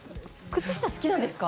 靴下好きなんですか？